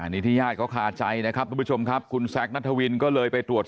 นิทยาศก็ขาใจนะครับทุกผู้ชมครับคุณแซคณทวินก็เลยไปตรวจ